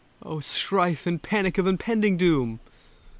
Oh, strife and panic of impending doom!